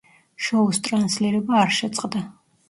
შოუს ტრანსლირება არ შეწყდა.